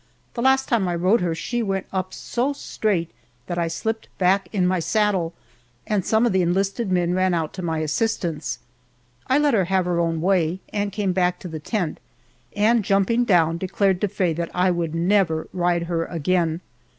The last time I rode her she went up so straight that I slipped back in my saddle, and some of the enlisted men ran out to my assistance. I let her have her own way and came back to the tent, and jumping down, declared to Faye that I would never ride her again.